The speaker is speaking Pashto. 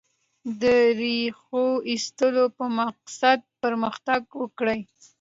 د ریښو ایستلو په مقصد پرمختګ وکړي.